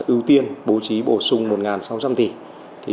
ưu tiên bố trí bổ sung một sáu trăm linh tỷ